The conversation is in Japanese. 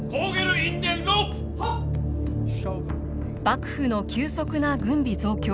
幕府の急速な軍備増強。